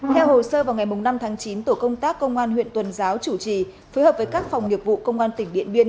theo hồ sơ vào ngày năm tháng chín tổ công tác công an huyện tuần giáo chủ trì phối hợp với các phòng nghiệp vụ công an tỉnh điện biên